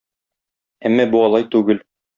Әмма бу алай түгел.